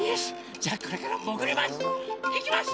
じゃこれからもぐります。